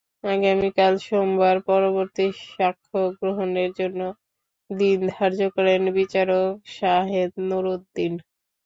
আগামীকাল সোমবার পরবর্তী সাক্ষ্য গ্রহণের জন্য দিন ধার্য করেন বিচারক শাহেদ নুরুদ্দিন।